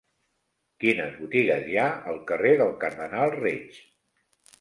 Quines botigues hi ha al carrer del Cardenal Reig?